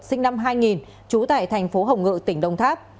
sinh năm hai nghìn trú tại tp hồng ngự tỉnh đông tháp